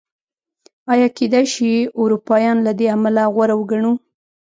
ایا کېدای شي اروپایان له دې امله غوره وګڼو؟